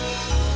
aku sudah lebih